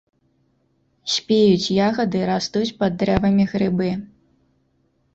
Спеюць ягады, растуць пад дрэвамі грыбы.